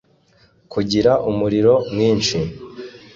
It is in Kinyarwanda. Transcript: kugira umuriro mwinshi